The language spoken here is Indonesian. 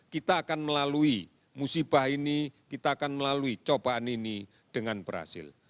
kita akan melalui musibah ini kita akan melalui cobaan ini dengan berhasil